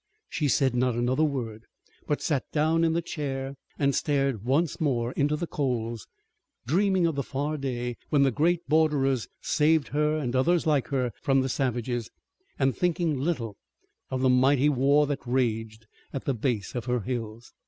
She said not another word, but sat down in the chair and stared once more into the coals, dreaming of the far day when the great borderers saved her and others like her from the savages, and thinking little of the mighty war that raged at the base of her hills.